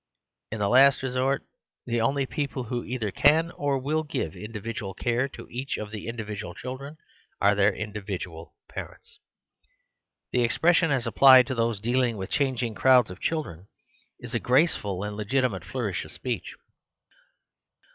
In the last resort, the only people who either can or will give individual care, to each of the individual children, are their individual parents. The expression as applied to those dealing with changing crowds of children is a graceful and legiti mate flourish of speech.